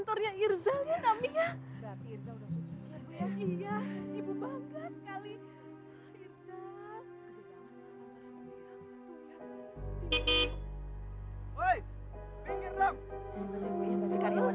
tapi keliatannya mas irjal lagi sibuk banget deh